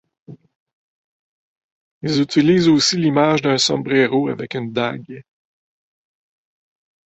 Ils utilisent aussi l'image d'un sombrero avec une dague.